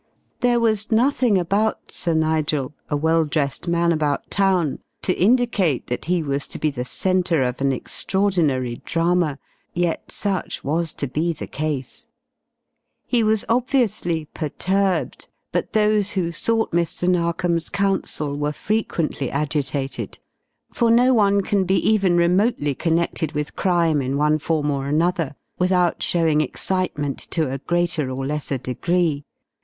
There was nothing about Sir Nigel, a well dressed man about town, to indicate that he was to be the centre of an extraordinary drama, yet such was to be the case. He was obviously perturbed, but those who sought Mr. Narkom's counsel were frequently agitated; for no one can be even remotely connected with crime in one form or another without showing excitement to a greater or lesser degree.